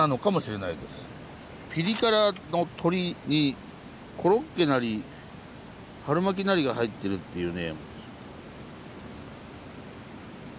ピリ辛の鶏にコロッケなり春巻きなりが入ってるっていうね。